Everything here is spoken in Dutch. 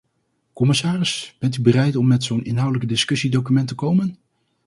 Commissaris, bent u bereid om met zo'n inhoudelijk discussiedocument te komen?